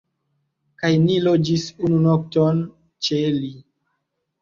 Kaj ni loĝis unu nokton ĉe li